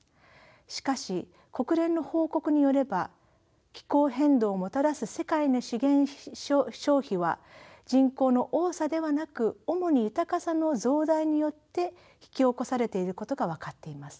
しかし国連の報告によれば気候変動をもたらす世界の資源消費は人口の多さではなく主に豊かさの増大によって引き起こされていることが分かっています。